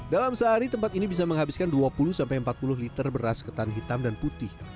dalam sehari tempat ini bisa menghabiskan dua puluh empat puluh liter beras ketan hitam dan putih